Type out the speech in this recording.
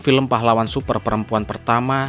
film pahlawan super perempuan pertama